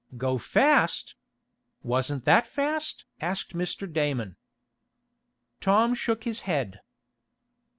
"Go fast! Wasn't that fast?" asked Mr. Damon. Tom shook his head.